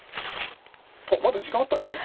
まだ時間あったんですね。